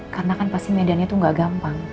karena kan pasti medannya tuh gak gampang